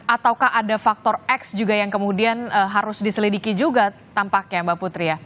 ataukah ada faktor x juga yang kemudian harus diselidiki juga tampaknya mbak putri ya